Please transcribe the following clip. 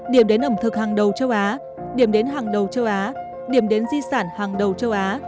điểm đến ẩm thực hàng đầu châu á điểm đến hàng đầu châu á điểm đến di sản hàng đầu châu á